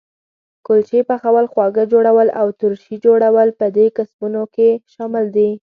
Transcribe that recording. کلچې پخول، خواږه جوړول او ترشي جوړول په دې کسبونو کې شامل دي.